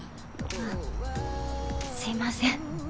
あっすみません。